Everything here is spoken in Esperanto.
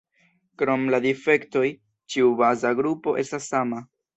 Krom la difektoj, ĉiu baza grupo estas sama.